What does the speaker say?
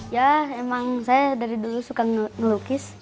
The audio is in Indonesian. ya emang saya dari dulu suka ngelukis